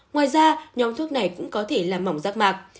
ngoài ra nhóm thuốc này cũng có thể là mỏng rác mạc